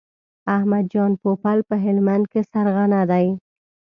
احمد جان پوپل په هلمند کې سرغنه دی.